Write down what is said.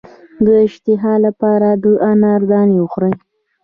د اشتها لپاره د انار دانې وخورئ